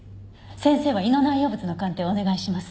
先生は胃の内容物の鑑定をお願いします。